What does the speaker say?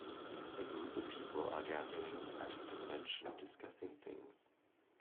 A group of people are gathering at a convention discussing things.